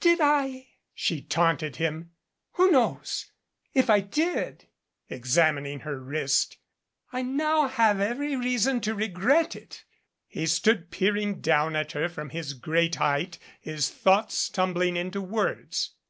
"Did I?" she taunted him. "Who knows? If I did" examining her wrist "I have now every reason to re gret it." He stood peering down at her from his great height, his thoughts tumbling into words.